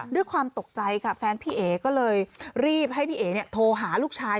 ด้วยความตกใจค่ะแฟนพี่เอ๋ก็เลยรีบให้พี่เอ๋โทรหาลูกชาย